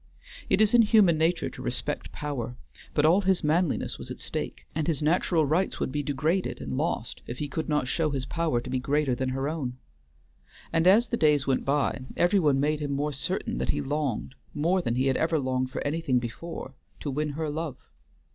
It is in human nature to respect power; but all his manliness was at stake, and his natural rights would be degraded and lost, if he could not show his power to be greater than her own. And as the days went by, every one made him more certain that he longed, more than he had ever longed for anything before, to win her love.